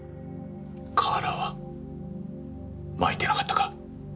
カーラーは巻いてなかったか？